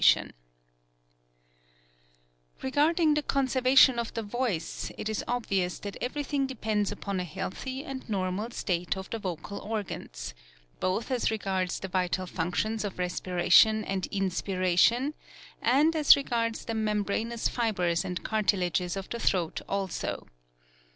16 maccabe's art of ventriloquism Regarding the conservation of the voice, it is obvious that everything depends upon a healthy and normal state of the yocal organs, both as regards the vital functions of respiration and inspiration, and as regards the membranous fibres and cartilages of the throat also.